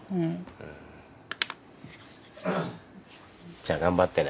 じゃあ頑張ってね。